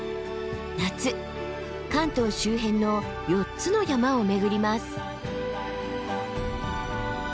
夏関東周辺の４つの山を巡ります。